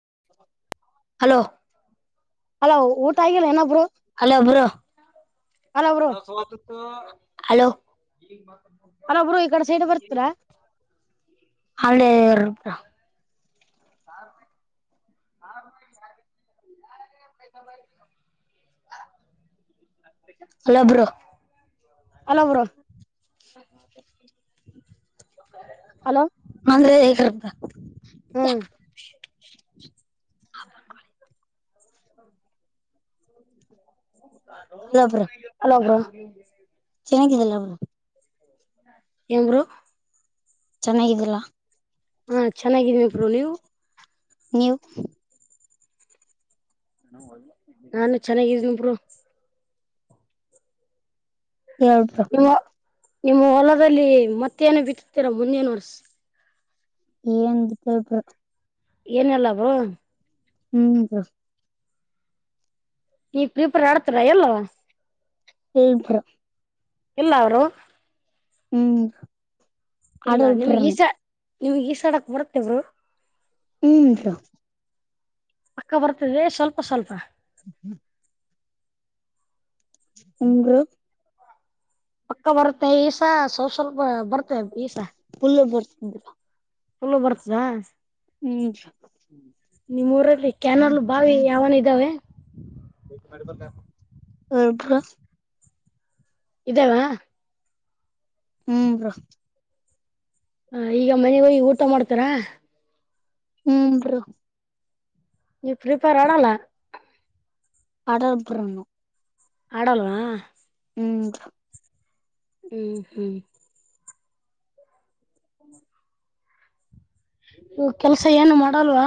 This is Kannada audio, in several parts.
ಹ [unintelligible] ಹಲೋ ಅಲ ಊಟ ಆಗಿಲ್ಲ ಏನೊಬ್ರು ಹಲೋ ಬ್ರೋ ಬ್ರೋ ಹಲೋ ಹಲೊಬ್ರು ಈ ಕಡೆ ಸೈಡ್ ಬರ್ತರ ಹ [unintelligible] [unintelligible] ಹೇಳು ಬ್ರೋ ಹಲೋ ಬ್ರೋ ಹ [inaudible] ಹಲೋ ಅಂದ್ರೆ ಹೇಗಂತ ಹ್ಮ್ ಹಲ ಹ ಚೆನ್ನಾಗಿದಲ್ಲ ಅವರು ಎಮರು ಚೆನ್ನಾಗಿದ್ದಿಲ್ಲ ಹಾ ಚೆನ್ನಾಗಿದೀನಿ ಪ್ರರು ನೀವು ನೀನ್ಯವು ನಾನು ಚೆನ್ನಾಗಿದನಬ್ರು ಹೌದಾ ನಿಮ್ಮ ನಿಮ್ಮ ಹೊಲದಲ್ಲಿ ಮತ್ತೇನ ಬಿತ್ತತೀರಾ ಮುಂದೇನ್ ವರ್ಸ ಏಂದ ಏನೆಲ್ಲ ಅವರು ಹ್ಮ್ ಸ ನೀ ಪ್ರೀಪೇರ್ ಆಡ್ತರಾ ಎಲ್ವಾ ಬರ ಎಲ್ಲ ಅವರು ಹ್ಮ್ ಎಲ್ಲ ಆಡಲ್ ಬ್ರೋ ನಿಮಗ್ ಈಸ ನಿಮಗ್ ಈಸಾಡಕ್ ಬಡತ್ತೇವರು ಹ್ಮ್ ಅಕ್ಕ ಬರ್ತದೆ ಸ್ವಲ್ಪ ಸ್ವಲ್ಪ ಹ್ಮ್ಮ ಹಂಗ ಪಕ್ಕ ಬರುತ್ತೆ ಈಸ ಸ್ವಲ್ ಸ್ವಲ್ಪ ಬರ್ [unintelligible] ಪುಲ್ಲ ಬರ್ತಂದರ ಪುಲ್ಲ ಬರ್ತದಾ ಹ್ಮ್ ನಿಮ್ಮ್ೂಊರಲ್ಲಿ ಕ್ಯಾನಲ್ ಬಾವಿ ಯಾವನ ಇದಾವೆ ಹಬ ಇದವಾ ಹ್ಮ್ ಬ ಹ ಈಗ ಮನೆಗ ಹೋಗಿ ಊಟ ಮಾಡ್ತಾರ ಹ್ಮ್ ನೀವು ಪ್ರಿಪೇರ್ ಆಡಲ್ಲ ಅಡಲ್ ಬರಣು ಆಡಳವಾ ಹ್ಮ್ ಹ್ಮ್ ಹ್ಮ್ ಕೆಲ್ಸ ಏನು ಮಾಡಲ್ವಾ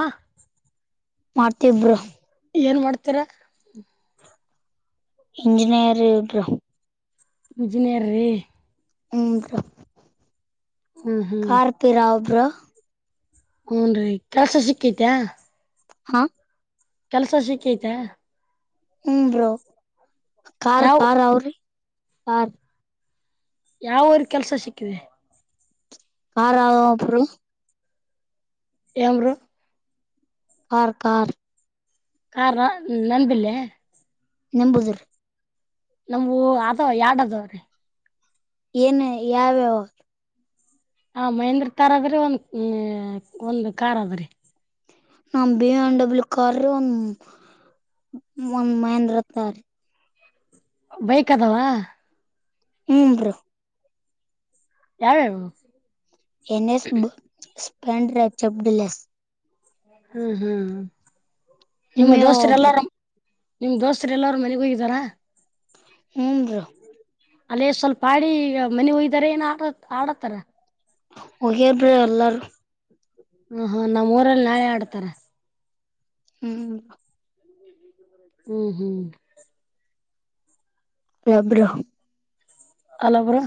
ಮಾಡ್ತಬರು ಕತ್ರ ಇಂಜಿನಿಯರ್ ಮುಜನೇರ ರೀ ಹ ಹ್ಮ್ ಹ್ಮ್ ಪಿರಾವ್ ಬ್ರೋ ಹೂನ್ ರೀ ಕೆಲ್ಸ ಸಿಕ್ಕೈತ ಹಾ ಕೆಲ್ಸ ಸಿಖಐತೆ ಹ್ಮ್ ಬ್ರೋ ಕಾರ್ ಯಾವ ಕಾರ್ ಅವ್ರಿ ಕಾರ್ ಯಾವ್ರ ಕೆಲ್ಸ ಸಿಕ್ಕಿವೆ ಕಾರ್ ಆಗ ಅಪರ ಎರ ಕಾರ್ ಕಾರ್ ಕಾರ ನನ್ ಬಿಲ್ಲೆ ನೆಂಬೂದರ್ ನಮೂ ಅದ ಎರಡ್ ಅದವ್ರೀ ಏನು ಯಾವ್ಯಾವ ಹ ಮಹೇಂದ್ರ ಕರ್ ಅದ್ರಿ ಒಂದ್ ಒಂದು ಕಾರ್ ಅದ್ರಿ ನಮ್ಮ ಬಿ ಎಂ ಡಬ್ಲ್ಯೂ ಕಾರ್ ಒಂದ್ ಮಹಂದ್ರಕಾರ ರಿ ಬೈಕ್ ಅದಾವ ಹ್ಮ್ ಬ್ರೋ ಯಾವವ ಎ ಸ್ ಹ್ಮ್ ಹ್ಮ್ ನಿಮ್ಮ ನಿಮ್ ಯಾವ್ ಬ್ರೋ ದೋಸ್ತರೆಲ್ಲಾರ ನಿಮ್ಮ್ ದೋಸ್ತರೆ ಎಲ್ಲಾರ ಮನ ಹ ಹೋಗಿದ್ದಾರಾ ಹ್ಮ ರ ಅಲ್ಲೇ ಸ್ವಲ್ಪ ಆಡಿ ಈಗ ಮನೆ ಒಯ್ದಾರ ಏನ್ ಆಡ ಆಡತಾರ ಒಗೇಬ್ರೆ ಅಲ್ಲಾರು ಹ ಹಾ ನಮ್ಮ್ ಊರಲ್ಲಿ ನಾಳೆ ಆಡ್ತಾರ ಹ್ಮ್ ಹ್ಮ್ ಹ್ಮ್ ವಬ್ರೋ ಅಲ್ಲ ಬ್ರೋ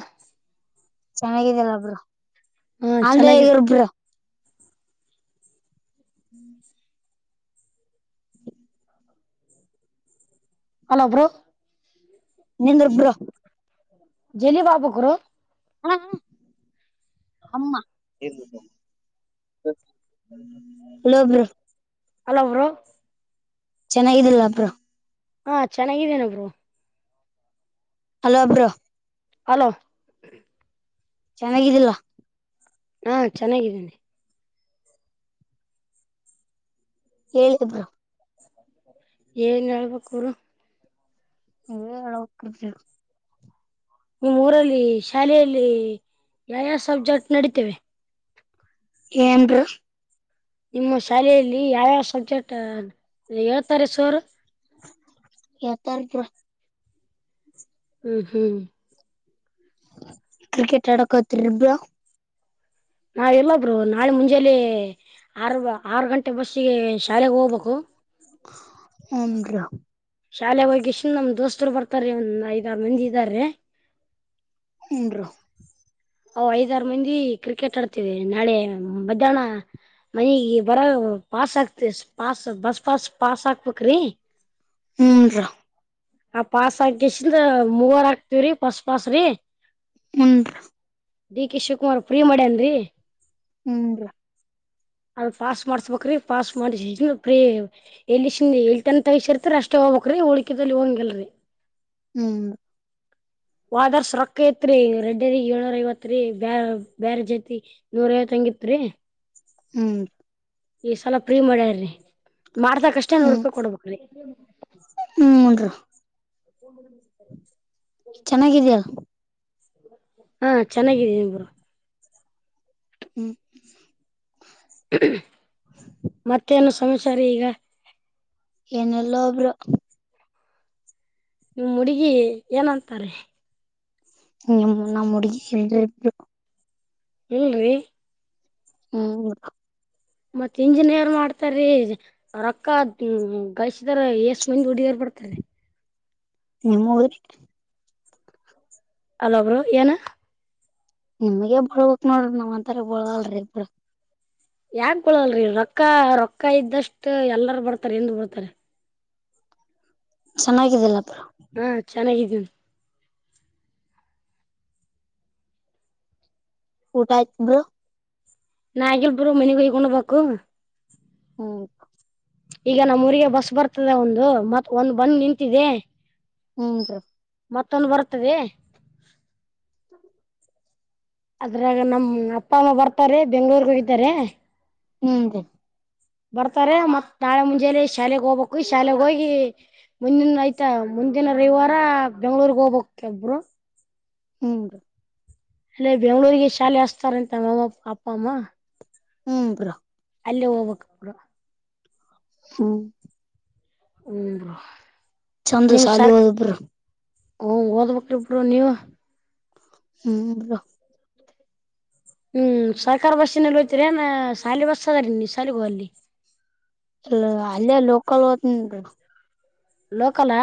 ಚೆನ್ನಾಗಿದಲ್ಲ ಬ್ರೋ ಹಾ ಆಲ್ ದ ವೇ ಚೆನ್ನಾಗಿ ಇರ್ ಬ್ರೋ ಹ್ಮ್ ಹಲೋ ಬ್ರೋ ನಿಂದೊಬ್ಬರು ಎಲ್ಲಿಗೆ ಹೋಗಬೇಕು ಗುರು ಹ ಅಮ್ಮ ಲಭ್ರ ಹಲೋ ಅವರು ಚೆನ್ನಾಗಿದಲ್ಲ ಪ್ರ ಹಾ ಚೆನ್ನಾಗಿದ್ದೇನೊಬ್ರು ಹಲೋ ಅಬ್ರಾ ಹಲೋ ಚೆನ್ನಾಗಿದ್ದಿಲ್ಲ ಹಾ ಚೆನ್ನಾಗಿದ್ದೇನೆ ಹೇಳಿಬರು ಏನ್ ಹೇಳ್ಬೇಕಡು ಳಕ್ಕ ನಿಮ್ಮ್ ಊರಲ್ಲಿ ಶಾಲೆಯಲ್ಲಿ ಯಾವ್ಯಾವ ಸಬ್ಜೆಕ್ಟ್ ನಡತೇವೆ ಏನ್ ನಿಮ್ಮ ಶಾಲೆಯಲ್ಲಿ ಯಾವ್ಯಾವ ಸಬ್ಜೆಕ್ಟ್ ಹೇಳ್ತಾರೆ ಸೋರ್ ಯ ತಾರಪ ಹ್ಮ್ ಹ್ಮ್ ಕ್ರಿಕೆಟ್ ಆಡಕ್ ಹತ್ರಿ ಇಬ್ರ ನಾವ ಎಲ್ಲಬ್ರು ನಾಳೆ ಮುಂಜಾಲಿ ಆರು ಆರು ಗಂಟೆ ಬಸ್ಸಿಗೆ ಶಾಲೆೆಗೆ ಹೋಗ್ಬೇಕು ಉನ ಬ್ರೋ ಶಾಲೆ ಹೋಗಿ ಇಷ್ಟನ್ ನಮ್ ದೋಸ್ತರು ಬರ್ತಾರೆ ಒಂದ್ ಐದಾರ ಮಂದಿ ಇದ್ದಾರೆ [unintelligible] ಐದಾರು ಮಂದಿ ಕ್ರಿಕೆಟ್ ಆಡ್ತವೆ ನಾಳೆ ಮಧ್ಯಾಹ್ನ ಮನಗ್ ಬರ ಪಾಸ್ ಆಾತಿ ಪಾಸ್ ಬಸ್ ಪಾಸ್ ಪಾಸ್ ಹಾಕ್ಬೇಕ್ರಿ ಹ್ಮರಿ ಆ ಪಾಸ್ ಆಕಸಿದ ಮೂವರ್ ಆಕ್ತಿವ್ರಿ ಬಸ್ ಪಾಸ್ ರೀ ಹಂ ಡಿ ಕೆ ಶಿವಕುಮಾರ್ ಫ್ರೀ ಮಾಡ್ಯನ್ರಿ ಹ್ಮ್ ರ ಅದ ಪಾಸ್ ಮಾಡ್ಸ್ಬೇಕ್ರೀ ಪಾಸ್ ಮಾಡಿಸಿಕೆಸಿದ್ ಪ್ರಿ ಎಲ್ಲಿನ್ ಎಲಿತನ್ ತಗಸಿರ್ತಿ ಅಷ್ಟೇ ಹೋಗಕ್ ರೀ ಉಳಿಕಿದಲ್ಲಿ ಹಂಗಿಲ್ರರಿ ಹ್ಮ್ ಹೋದಾವರ್ಷ ರೋಕ ಇತ್ ರಿ ರೆಡ್ದ ಏಳ್ನೂರ ಐವತ್ ರೀ ಬ್ಯಾರೆ ಜಾತಿ ನೂರ ಐವತ್ ಹಂಗಿತ್ [unintelligible] ಹ್ಮ್ ಈ ಸಲ ಪ್ರೀ ಮಾಡ್ಯಾರ್ರಿ ಮಾಡದಕಷ್ಟೆ ನೂರು ಹ್ಮ್ ರೂಪಾಯಿ ಕೊಡ್ಬೇಕ್ರೀ ಹ್ಮನ್ರಿ [unintelligible] ಚೆನ್ನಾಗಿದ್ಯಾ ಹಾ ಚೆನ್ನಾಗಿದ್ದೀನೀ ಬ್ರೋ ಹ್ಮ್ ಮತ್ತೇನು ಸಮಾಚಾರ ಈಗ ಏನಿಲ್ಲಾ ಬ್ರೋ ನಿಮ್ ಹುಡುಗಿ ಏನಂತಾರೆ ನಿಮ್ಮ ನಮ್ಮ ಹುಡುಗಿ ಎಲ್ ಇಬ್ರು ಹ್ಮ ರೀ ಹ್ಮ ಮತ್ತ್ ಇಂಜಿನಿಯರ್ ಮಾಡ್ತಾರೀ ರೊಕ್ಕ ಗಳಸಿದಾರ ಎಸ ಮಂದಿ ಹುಡುಗಿಯಾರ [unintelligible] ನಿಮ್ಮ ರಿ ಅಲಾ ಬ್ರು ಏನ ನಿಮಗೆ ಬಳ್ಗಕ್ ನೋಡ್ರಿ ನಾವ್ ಒಂತರ ಬಳಗಲ್ರರಿ ಇಬ್ರು ಯಾಕ ಕೊಳಲರಿ ರೊಕ್ಕ ರೊಕ್ಕ ಇದ್ದಷ್ಟು ಎಲ್ಲಾರ ಬರ್ತಾರೆ ಎಂದ ಬರ್ತಾರೆ ಚೆನ್ನಾಗಿದಿಲ್ಲ ಬ್ರೋ ಹಾ ಚೆನ್ನಾಗಿದೀವಿ ಊಟಾಯತ್ ಬ್ರೋ ಇನ್ ಆಗಿಲ್ಲ ಬ್ರು ಮನೆಗಿ ಹೋಗಿ ಉಣಬೇಕು ಹ ಈಗ ನಮ್ಮ್ ಊರಿಗೆ ಬಸ್ ಬರ್ತದೆ ಒಂದು ಮತ್ ಒಂದ್ ಬಂದ ನಿಂತಿದೆ ಹ್ಮ್ ಬ್ರೋ ಮತ್ತೊಂದು ಬರ್ತದೆ ಅದ್ರಾಗ ನಮ್ಮ ಅಪ್ಪ ಅಮ್ಮ ಬರ್ತಾರೆ ಬೆಂಗ್ಳೂರ್ ಗೆ ಹೋಗಿದ್ದಾರೆ ಹ್ಮ ರೀ ಬರ್ತಾರೆ ಮತ್ತ್ ನಾಳೆ ಮುಂಜಾಲಿ ಶಾಲೆೆಗೆ ಹೋಗ್ಬೇಕು ಶಾಲೆೆಗೆ ಹೋಗಿ ಮುಂದಿನ ಆಯ್ತಾ ಮುಂದಿನ ರವಿವಾರ ಬೆಂಗ್ಗಳೂರ್ಗ್ ಹೋಗ್ಬಕ್ ಬ್ರು ಹಂ ಅಲ್ಲೆ ಬೆಂಗ್ಗಳೂರಿಗೆ ಶಾಲೆ ಹಸ್ತಾರಂತೆ ನಮ್ಮ ಅಪ್ಪ ಅಮ್ಮ ಹ್ಮ್ ಬ್ರೋ ಅಲ್ಲೇ ಹೋಗ್ಬೇಕು ಹ್ಮ್ ಹ್ಮ ಚೆಂದ ಸಾಲಿ ಬ್ರೋ ಹಓ ಓದ್ಬೇಕಕ್್ರಿಬರು ನೀವ [unintelligible] ಹ್ಮ್ ಹ್ಮ್ ಸರ್ಕಾರ ಬಸ್ಸಿನಲ್ಲಿ ಹಯ್ತರಿ ಏನ್ ಶಾಲಿ ಬಸ್ಸದಾರೀ ನೀ ಸಾಲಗ ಹೋಗ ಅಲ್ಲಿ ಅಲ್ಲ ಅಲ್ಲಯ ಲೋಕಲ್ ಹತ್ನ್ರಿ ಲೋಕಲಾ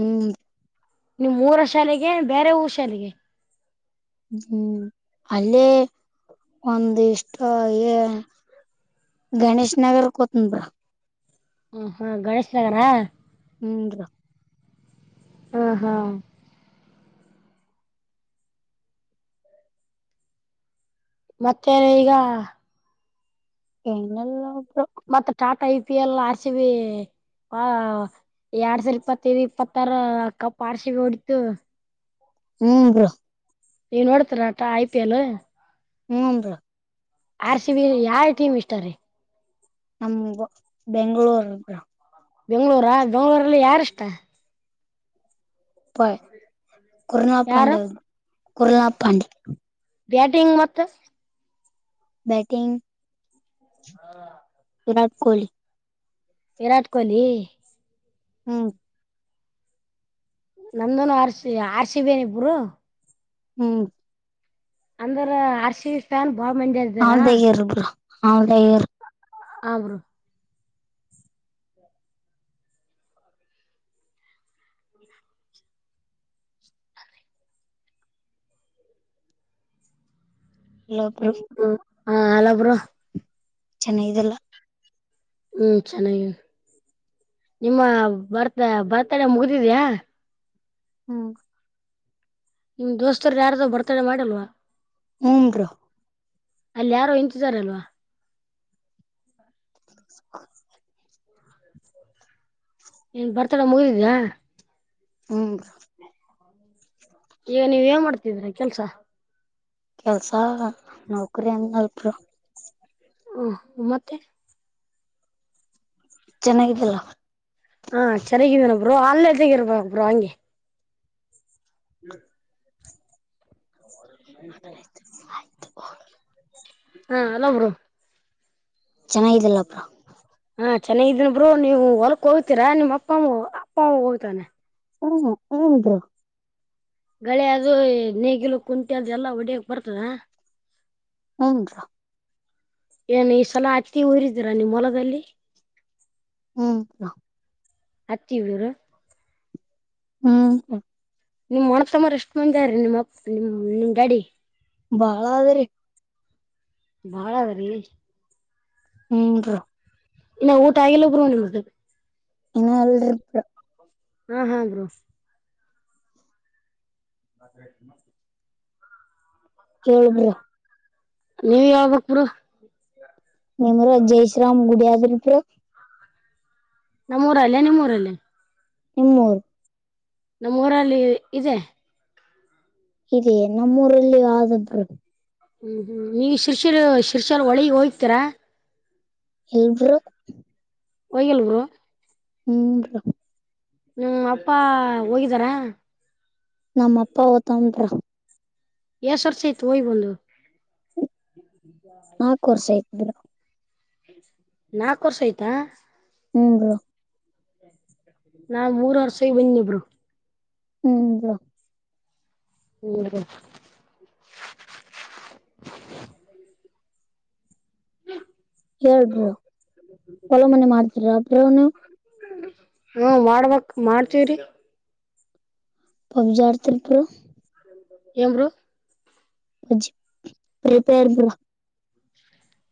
ಹ್ಮ್ ನಿಮಮ್ಮ್ ಊರ ಶಾಲೆಗೆ ಬೇರೆ ಊರ ಶಾಲೆಗೆ ಹ್ಮ್ ಅಲ್ಲೇ ಒಂದ್ ಇಷ್ಟ ಗಣೇಶ್ ನಗರ್ ಕೊತನ್ ಹ್ಮ ಹಾ ಗಣೇಶನಗರ ಹೂಂದು ಹ ಹಾ ಮತ್ತೆ ಈಗ ಏನಲ್ಲ [unintelligible] ಮತ್ತತ್ ಟಾಟಾ ಐ ಪಿ ಎಲ್ ಹಸಿವ ಹಾ ಎರಡ್ ಸಾವರ ಇಪ್ಪತ್ತೈದು ಇಪ್ಪತ್ತಾರ ಅಕ್ಕ ಪಾರ್ಷಿಗೆ ಹೊಡತು ಹ್ಮ್ ಬ್ರೋ ನೀವ ನೋಡ್ತರ ಆಟ ಐ ಪಿ ಎಲ್ ಹ್ಮ್ ಬ್ರೋ ಆ ಶಿವ ಯ್ತ ಯಾರ್ ಟೀಮ್ ಹಿಸ್ಟರಿ ನಮ ಬೆಂಗಳೂರ್ ಬೆಂಗ್ಗಳೂರ ಬೆಂಗ್ಳೂರಲ್ಲಿ ಯಾರ ಇಷ್ಟ ಪ ಯಾರು ಕುರುಣಾಪಾಂಡೆ ಕುರುಣಾಪಾಂಡೆ [unintelligible] ಬ್ಯಾಟಿಂಗ್ ಮತ್ತ ಬ್ಯಾಟಿಂಗ್ ಹಾ [unintelligible] ವಿರಾಟ್ ಕೊಹಲಿ ವಿರಾಟ್ ಕೊಹ್ಲಿ ಹ್ಮ್ ನಂದನು ಆರ್‌ಸಿಬಿ ಆರ್‌ಸಿಬಿ ಹ್ಮ್ ಅಂದ್ರ ಹರ್ಶಿಷ್ಟನ್ ಬಾಳ ಮಂಜ ಇದ್ದಾರ ಅವಲ್ದಾಗ್ಯಾರ ಬ್ರೋ ಅವಲ್ದಾಗ್ಯಾರ ಹಾಬ್ರೋ ಇಲ್ಲೊಬ್ರು ಹ್ಮ ಹಾ ಹಲೋ ಬ್ರೋ ಚೆನ್ನಾಗಿದಿಲ್ಲ ಹ್ಮ್ ಚೆನ್ನಾಗಿ ನಿಮ್ಮ ಬರ್ತ್ ಬರ್ತಡೆ ಮುಗಿದಿದ್ಯಾ ಹ್ಮ್ ನಿಮ್ ದೋಸ್ತರು ಯಾರ್ದ ಬರ್ತಡೆ ಮಾಡಲ್ವಾ ಹಂದ್ರ [unintelligible] ಅಲ್ಲಿ ಯಾರು [unintelligible] ಇಂಚಿದಾರಲ್ವಾ [unintelligible] ಏನ್ ಬರ್ತಡ ಮುಗಿದಿದ್ಯಾ ಹ್ಮ್ ಈಗ ನೀವ್ ಏನ್ ಮಾಡ್ತಿದೀರಾ ಕೆಲ್ಸ ಕೆಲ್ಸ ನೌಕರಿ ಅಂದಲ್ಪರು ಹ ಮತ್ತೆ ಚೆನ್ನಾಗಿದಿಲ್ಲ ಹಾ ಚೆನ್ನಾಗಿದೇ ಬ್ರೋ ಆನ್ ತಗಿರ್ಬ ಬ್ರೋ ಅಗೆ [unintelligible] ಆ್ತ ಆಯ್ತು ಹಾ ಹಲೋ ಬ್ರೋ ಚೆನ್ನಾಗಿದಿಲ್ಲ ಬ್ರೋ ಹಾ ಚೆನ್ನಾಗಿದ್ದೀನಿ ಬ್ರೋ ನೀವು ಹೊ ಹೊಲಕ್ಕೆ ಹೋಗ್ತೀರಾ ನಿಮ್ಮಪ್ಪ ಅಮ್ಮ ಹೋಗ್ತಾರಾ ಹ ಹಿದ್ರು ಗಳೆ ಅದು ನೇಗಿಲು ಕುಂಟಿ ಅದು ಎಲ್ಲಾ ಹೊಡಿಯಕ್ ಬರ್ತದ ಹಂದು ಏನು ಈ ಸಲ ಅತ್ತಿ ಊರಿದೀರಾ ನೀಮ್ಮ್ ಹೊಲದಲ್ಲಿ ಹ ಹ್ಮ್ ಬ್ರೋ ಹತ್ತಿವರು ಹ್ಮ್ ನಿಮ್ ಅಣ್ಣ ತಮ್ಮಂದ್ರು ಎಷ್ಟು ಮುಂದ್ರೀ ನಿಮ್ಮ ನಿಮ್ ಡ್ಯಾಡಿ ಬಾಳ ಅದಿರಿ ಬಾಳದ್ರೀ ಹ್ಮ ಇನ್ನು ಊಟ ಆಗಲ್ಲ ಒಬ್ರು ನಿಮ್ದೆ ಇನ್ನ ಇಲ್ಲ ಹಾ ಹಾ ಬ್ರೋ ಬತ್ರ ಮಸ್ತ ಹೇಳ್ ಬ್ರೋ ನೀವ ಯಾಗಕ್ ಪುರ ನಿಮ್ರ ಜೈ ಶ್ರೀರಾಮ್ ಗುಡಿಯಾದ್ರ ಪ್ರಿಯ ನಮ್ಮ್ಊರಲ್ಲೇ ನಿಮ್ಮೂಊರಲ್ಲೇ ನಿಮ್ಮೂರು ನಮ್ಮ ಊರಲ್ಲಿ ಇದೆ ಇದೆಯ ನಮ್ಮೂರಲ್ಲಿ ಆದಬರು ಹ್ಮ್ ಹ್ಮ್ ನೀ ಶಿರ್ಷಿರ ಶಿರ್ಷಲ್ ಒಳಿಗ್ ಹೋಗತೀರ ಏನು ಬ್ರೋ ಹೋಗಿಲ್ಲ ಗುರು ಹ್ಮ್ ನಿಮ್ಮ ಅಪ್ಪ ಹೋಗಿದಾರ ನಮ್ಮ ಅಪ್ಪ ತ್ರ ಎಸ್ ವರ್ಷ ಆಯ್ತು ಹೋಗಿ ಬಂದು ಹರ ನಾಲ್ಕು ವರ್ಷ ಆಯ್ತಾ ಹ್ಮ್ ರ ನಾ ಮೂರ್ ವರ್ಷ ಹೋಗಿ ಬಂದೀನ್ ಬ್ರೋ ಹ್ಮ್ ಹ್ಮ ಹೇಳ್ ಬ್ರೋ ಹೊಲ ಮನೆ ಮಾಡ್ತೀರ ಬ್ರೋ ನೀವು ಹ ಮಾಡ್ಬಕ್ ಮಾಡ್ತೀವ್ರೀ ಪಬ್ಜಿ ಆಡ್ತಿರ್ ಬ್ರೋ ಏನ್ ಬ್ರೋ ಪ್ರಿಪೇರ್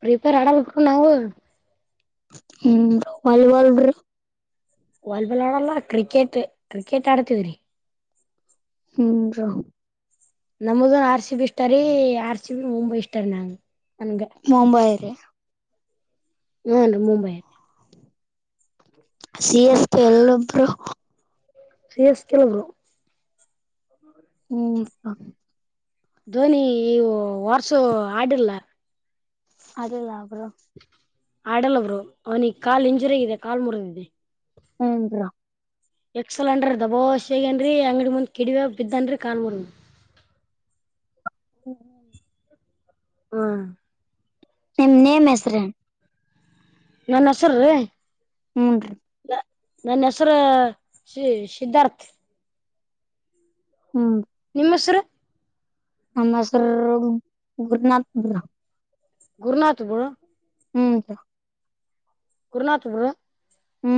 ಪ್ರಿಪೇರ್ ಮಾಡಲಪ್ಪ ನಾವಿವಾಗ ಹ್ಮ ವಾಲಿಬಾಲ್ರು ವಾಲಿಬಾಲ್ ಆಡಲ್ಲ ಕ್ರಿಕೆಟ್ ಕ್ರಿಕೆಟ್ ಆಡ್ತಿದ್ರಿ ಹ್ಮ್ ರು ನಮ್ದು ಆರ್ ಸಿ ಬಿ ಇಷ್ಟಾರಿ ಆರ್ ಸಿ ಬಿ ಮುಂಬ ಇಷ್ಟಾರಿ ನಂಂಗ ಮುಂಬೈ ರ ಹಾ ಮುಂಬೈ ಸಿ ಎಸ್ ಪಿ ಎಲ್ಲ ಬರ ಸಿ ಎಸ್ ಕೆಲ ಬರ ಹ್ಮ್ ಹ ಧೋನಿ ವರ್ಸು ಆಡಿರ್ಲ್ಲ ಅದಿಲ್ಲ ಅವರು ಆಡಲ್ಲಬ್ರು ಅವ್ನಿಗೆ ಕಾಲ್ ಇಂಜುರಿ ಆಗಿದೆ ಕಾಲ್ ಮುರದಿದೆ ಹ್ಬ್ರೋ ಎಕ್ಸಲನ್್ರಿ ದಬೋೇಗನ್ರಿ ಅಂಗಡಿ ಮುಂದ್ ಕಿಡಿವ ಬಿದ್ದನ್ರಿ ಕಾಬರ್ [inaudible] ಹ್ಮ ಹ್ಮ ಹ್ಮ ನಿಮ್ ನೇಮ ಹೆಸ್ರನ್ ನಾನ್ ಹಸರೀ ಹೂನ್ ನನ್ನ ಹೆಸರು ಶ ಸಿದ್ಧಾರ್ಥ ಹ್ಮ್ ನಿಮ್ಮ ಹೆಸರು ನಮ್ಮ ಸರ್ ಗುರುನಾಥಪುರ ಗುರುನಾಥ ಬುಳ ಹ್ಮ್ ಗರುನಾಥಪುರು ಹ್ಮ್